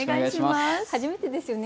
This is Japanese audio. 初めてですよね？